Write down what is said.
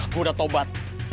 gue udah tobat